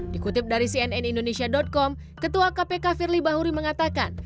dikutip dari cnnindonesia com ketua kpk firly bahuri mengatakan